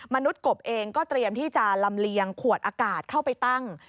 มนุษย์กบเองก็เตรียมที่จะลำเลียงขวดอากาศเข้าไปตั้ง